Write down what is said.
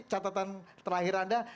bu rocky catatan terakhir anda